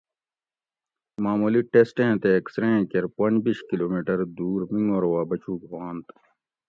معمولی ٹیسٹیں تے ایکسرے ایں کیر پنج بِیش کلومیٹر دور منگور وا بچوگ ہُوانت